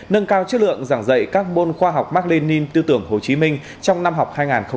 nâng cao chất lượng giảng dạy các môn khoa học mark lenin tư tưởng hồ chí minh trong năm học hai nghìn một mươi tám hai nghìn một mươi chín